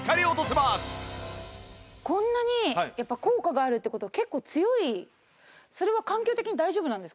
こんなにやっぱり効果があるって事は結構強いそれは環境的に大丈夫なんですか？